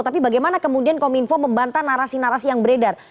tapi bagaimana kemudian kominfo membantah narasi narasi yang beredar